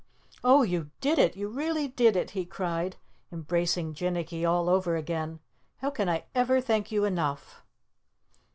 "Oh, you did it! You really did it!" he cried, embracing Jinnicky all over again. "How can I ever thank you enough?"